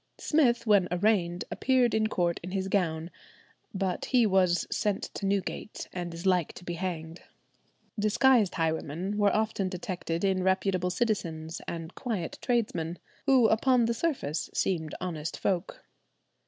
Smith when arraigned appeared in court in his gown, but he was "sent to Newgate, and is like to be hanged." Disguised highwaymen were often detected in reputable citizens and quiet tradesmen, who upon the surface seemed honest folk.